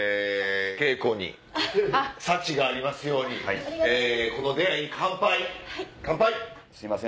啓子に幸がありますようにこの出会いに乾杯！